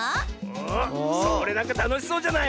おそれなんかたのしそうじゃない？